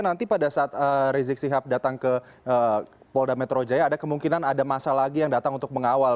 nanti pada saat rizik sihab datang ke polda metro jaya ada kemungkinan ada masa lagi yang datang untuk mengawal